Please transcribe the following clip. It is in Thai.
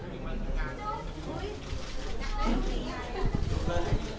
สวัสดีค่ะ